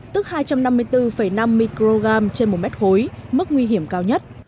tức hai trăm năm mươi bốn năm microgram trên một mét khối mức nguy hiểm cao nhất